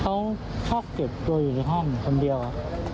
เขาชอบเก็บตัวอยู่ในห้องคนเดียว